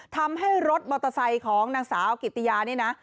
ทำให้รถมอเตอร์ไซค์ของนางสาวกิตติยานี่นะ